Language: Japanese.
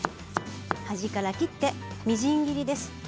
端から切ってみじん切りです。